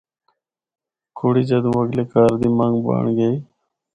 کڑی جدوں اگلے کہار دی منگ بنڑ گئی۔